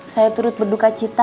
saya turut berduka cita